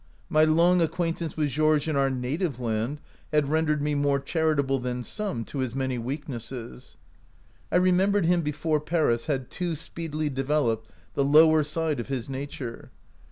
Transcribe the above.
My long acquaintance with Georges in our native land had rendered me more charitable than some to his many weaknesses. I remembered him before Paris had too speedily developed the lower side of his nature.